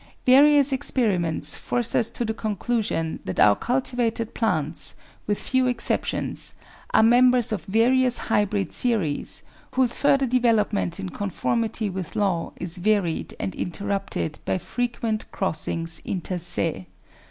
Various experiments force us to the conclusion that our cultivated plants, with few exceptions, are members of various hybrid series, whose further development in conformity with law is varied and interrupted by frequent crossings inter se.